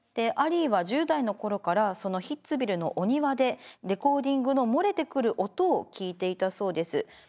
アリーは１０代の頃からそのヒッツヴィルのお庭でレコーディングの漏れてくる音を聴いていたそうです。